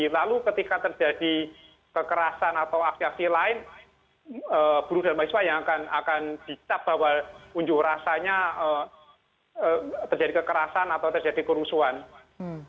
lalu ketika terjadi kekerasan atau aksi aksi lain buruh dan mahasiswa yang akan dicap bahwa unjuk rasanya terjadi kekerasan atau terjadi kerusuhan